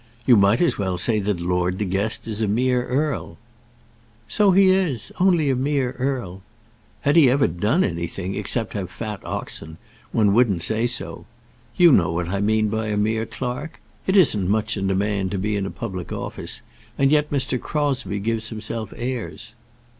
"You might as well say that Lord De Guest is a mere earl." "So he is only a mere earl. Had he ever done anything except have fat oxen, one wouldn't say so. You know what I mean by a mere clerk? It isn't much in a man to be in a public office, and yet Mr. Crosbie gives himself airs."